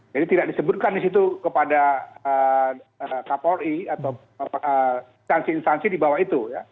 jadi tidak disebutkan disitu kepada kepolri atau instansi instansi di bawah itu